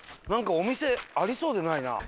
なんかお店ありそうでないな。